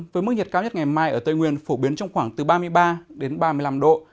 với mức nhiệt cao nhất ngày mai ở tây nguyên phổ biến trong khoảng từ ba mươi ba đến ba mươi năm độ